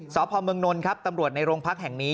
สพมนครับตำรวจในโรงพักษณ์แห่งนี้